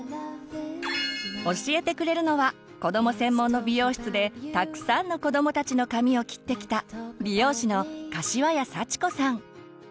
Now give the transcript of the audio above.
教えてくれるのは子ども専門の美容室でたくさんの子どもたちの髪を切ってきた美容師の柏谷早智子さん。